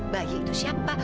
bayi itu siapa